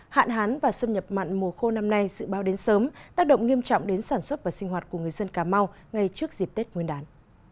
hạn hán và xâm nhập mặn mùa khô năm nay dự báo đến sớm tác động nghiêm trọng đến sản xuất và sinh hoạt của người dân cà mau ngay trước dịp tết nguyên đán